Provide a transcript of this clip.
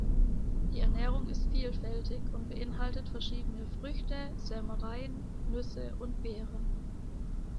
Die Ernährung ist vielfältig und beinhaltet verschiedene Früchte, Sämereien, Nüsse und Beeren.